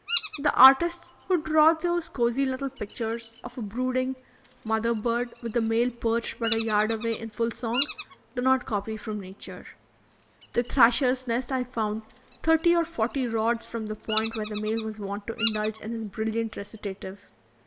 The artists who draw those cosy little pictures of a brooding mother bird with the male perched but a yard away in full song, do not copy from nature. The thrasher's nest I found thirty or forty rods from the point where the male was wont to indulge in his brilliant recitative.